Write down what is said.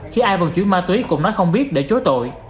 khi ai vòng chuyển ma túy cũng nói không biết để chối tội